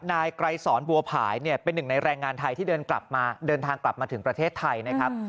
นายไกรสอนบัวผายเนี่ยเป็นหนึ่งในแรงงานไทยที่เดินทางกลับมาถึงประเทศไทยนะครับ